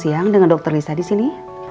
selamat siang dengan dokter lisa disini